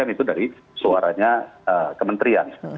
itu dari suaranya kementerian